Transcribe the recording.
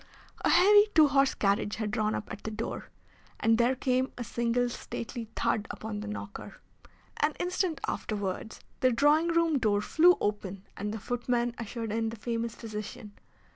A heavy, two horsed carriage had drawn up at the door, and there came a single stately thud upon the knocker. An instant afterwards the drawing room door flew open and the footman ushered in the famous physician.